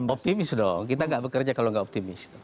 optimis dong kita nggak bekerja kalau nggak optimis